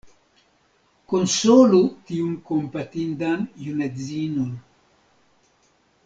Konsolu tiun kompatindan junedzinon!..